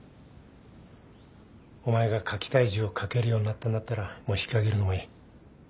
お前が書きたい字を書けるようになったんだったらもう引き揚げるのもいい。